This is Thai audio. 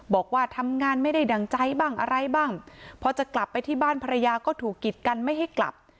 บอกว่าทำงานไม่ได้ดั่งใจบ้างอะไรบ้างพอจะกลับไปที่บ้านภรรยาก็ถูกกิดกันไม่ให้กลับ